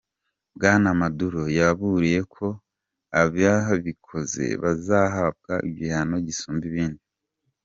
Bwana Maduro yaburiye ko ababikoze bazahabwa "igihano gisumba ibindi.